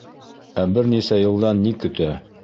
Ә бер нисә йылдан ни көтә?